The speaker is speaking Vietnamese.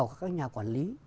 của các nhà quản lý